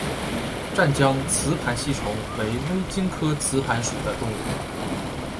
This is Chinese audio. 湛江雌盘吸虫为微茎科雌盘属的动物。